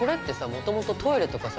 もともとトイレとかさ